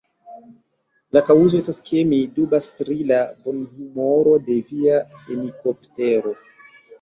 La kaŭzo estas, ke mi dubas pri la bonhumoro de via fenikoptero.